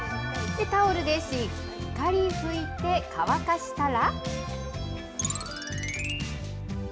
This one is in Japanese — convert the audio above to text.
タオルでしっかり拭いて、乾かしたら。